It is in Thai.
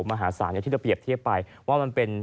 มหาศาลที่จะเปรียบเทียบไปว่ามันเป็น